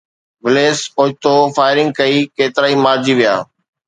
وليس اوچتو فائرنگ ڪئي، ڪيترائي مارجي ويا